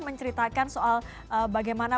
menceritakan soal bagaimana